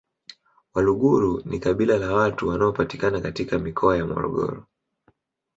Waluguru ni kabila la watu wanaopatikana katika Mikoa ya Morogoro